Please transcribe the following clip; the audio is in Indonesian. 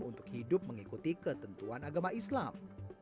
untuk hidup mengikuti ketentuan agama islam